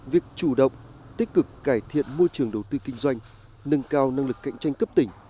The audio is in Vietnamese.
việc chủ động tích cực cải thiện môi trường đầu tư kinh doanh nâng cao năng lực cạnh tranh cấp tỉnh